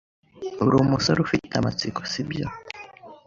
Uri umusore ufite amatsiko, sibyo?